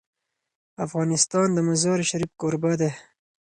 افغانستان د مزارشریف کوربه دی.